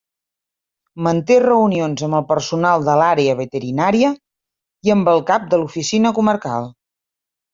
Manté reunions amb el personal de l'Àrea Veterinària i amb el cap de l'Oficina Comarcal.